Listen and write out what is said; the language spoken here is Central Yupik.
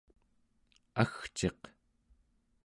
agciq